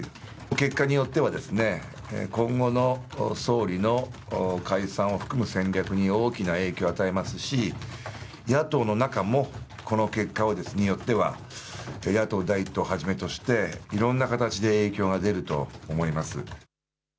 結果によっては今後の総理の解散を含む戦略に大きな影響を与えますし、野党の中もこの結果によっては野党第１党をはじめとしていろんな形で影響が出ると思います。